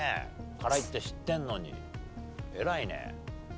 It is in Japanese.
辛いって知ってるのに偉いね。